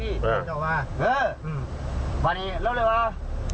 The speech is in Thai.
อ๋อีครับวันนี้ล่ะเลยว้า